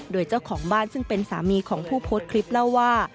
โดยเจ้าของบ้านซึ่งเป็นสามีของผู้โพสต์คลิปเล่าว่า